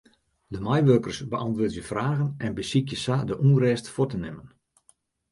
De meiwurkers beäntwurdzje fragen en besykje sa de ûnrêst fuort te nimmen.